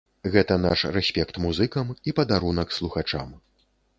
Гэта наш рэспект музыкам і падарунак слухачам!